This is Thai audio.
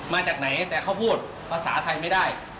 มาจากไหนแต่เขาพูดภาษาไทยไม่ได้